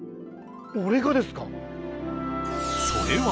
俺がですか？